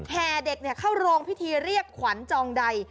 แห่เด็กเข้าโรงพิธีเรียกขวัญจองใด